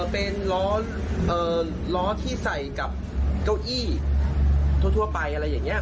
เป็นล้อที่ใส่กับเก้าอี้ทั่วไปอะไรอย่างนี้